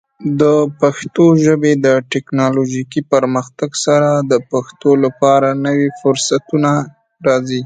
د پښتو ژبې د ټیکنالوجیکي پرمختګ سره، د پښتنو لپاره نوې فرصتونه راځي.